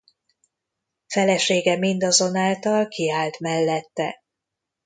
Felesége mindazonáltal kiállt mellette.